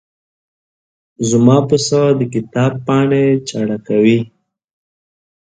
زما پسه د کتاب پاڼې چاړه کوي.